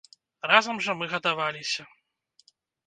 Разам жа мы гадаваліся.